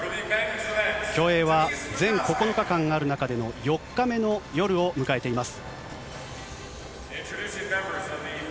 競泳は全９日間ある中での４日目の夜を迎えています。